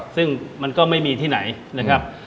ซึ่งมันก็ไม่มีที่ไหนนะครับ